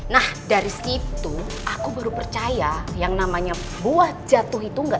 nah dari situ aku baru percaya yang namanya buah jatuh itu enggak